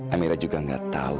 amira juga gak tahu